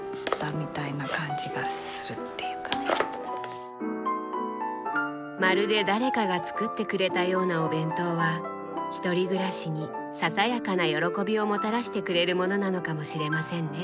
なんかまるで誰かが作ってくれたようなお弁当はひとり暮らしにささやかな喜びをもたらしてくれるものなのかもしれませんね。